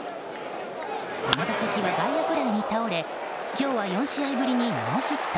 この打席は外野フライに倒れ今日は４試合ぶりにノーヒット。